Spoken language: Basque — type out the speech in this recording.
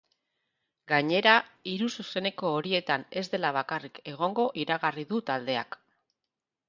Gainera, hiru zuzeneko horietan ez dela bakarrik egongo iragarri du taldeak.